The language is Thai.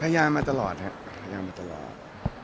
ยามาตลอดครับพยายามมาตลอด